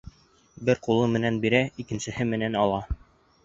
Бер ҡулы менән бирә, икенсеһе менән ала.